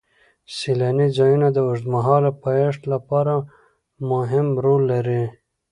سیلاني ځایونه د اوږدمهاله پایښت لپاره مهم رول لري.